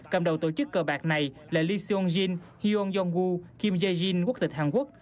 cầm đầu tổ chức cờ bạc này là lee sung jin hyun yong woo kim jae jin quốc tịch hàn quốc